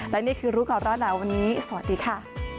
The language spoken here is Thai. และนี่คือรู้ก่อนร้อนหนาวันนี้สวัสดีค่ะ